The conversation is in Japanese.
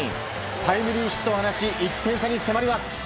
タイムリーヒットを放ち１点差に迫ります。